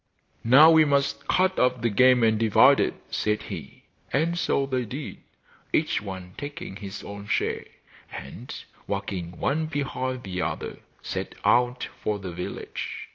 'Now we must cut up the game and divide it,' said he; and so they did, each one taking his own share; and, walking one behind the other, set out for the village.